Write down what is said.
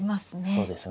そうですね。